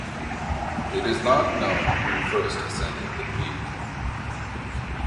It is not known who first ascended the peak.